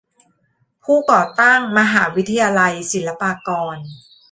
ผู้ก่อตั้งมหาวิทยาลัยศิลปากร